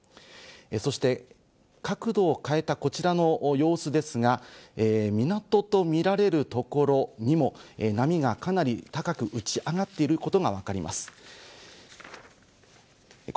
そして角度を変えたこちらの様子ですが、港と見られるところにも波がかなり高く打ち上がっていること